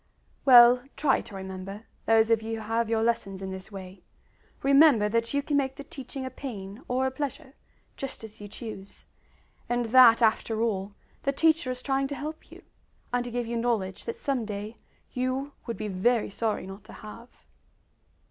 Well, try to remember, those of you who have your lessons in this way! Remember that you can make the teaching a pain or a pleasure, just as you choose; and that, after all, the teacher is trying to help you, and to give you knowledge that some day you would be very sorry not to have.